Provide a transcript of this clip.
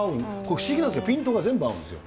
不思議なんですけど、ピントが全部合うんですよ。